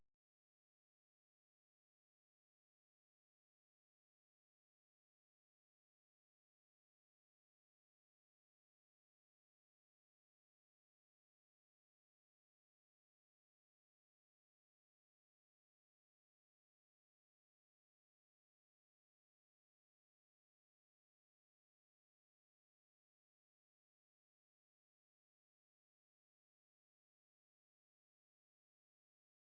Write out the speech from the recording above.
โปรดติดตามต่อไป